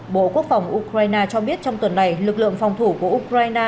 bộ quốc phòng ukraine cho biết trong tuần này lực lượng phòng thủ của ukraine